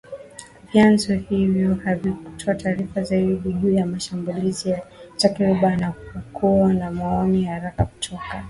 Vyanzo hivyo havikutoa taarifa zaidi juu ya shambulizi la karibuni na hakukuwa na maoni ya haraka kutoka serikalini.